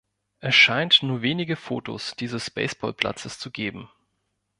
Es scheint nur wenige Fotos dieses Baseballplatzes zu geben.